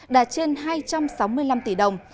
đã trên hai trăm sáu mươi năm tỷ đồng